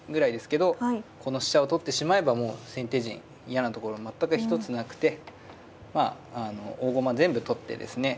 この飛車を取ってしまえばもう先手陣嫌なところ全く一つなくてまああの大駒全部取ってですね